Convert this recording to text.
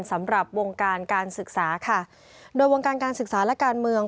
สำหรับวงการการศึกษาค่ะโดยวงการการศึกษาและการเมือง